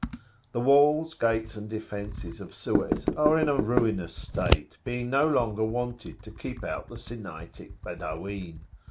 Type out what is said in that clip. "The walls, gates, and defences of Suez are in a ruinous state, being no longer wanted to keep out the Sinaitic Badawin.